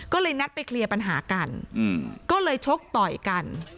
ก็เลยนัดไปเคลียร์ปัญหากันก็เลยชกต่อยกัน